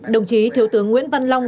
đồng chí thiếu tướng nguyễn văn long